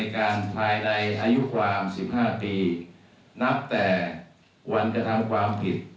การภายในอายุความ๑๕ปีนับแต่วันกระทำความผิด